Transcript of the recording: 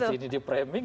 di sini dipraming